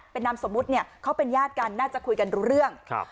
เป็นนามสมมุติเนี่ยเขาเป็นญาติกันน่าจะคุยกันรู้เรื่องครับ